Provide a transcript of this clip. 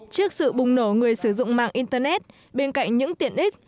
trước sự bùng nổ người sử dụng mạng internet bên cạnh những tiện ích